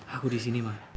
aku di sini ma